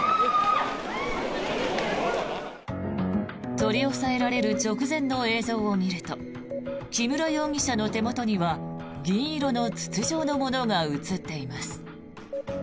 取り押さえられる直前の映像を見ると木村容疑者の手元には銀色の筒状のものが映っています。